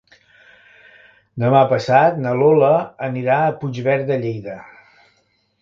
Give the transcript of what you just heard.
Demà passat na Lola anirà a Puigverd de Lleida.